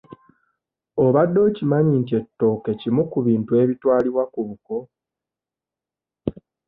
Obadde okimanyi nti ettooke kimu ku bintu ebitwalibwa ku buko?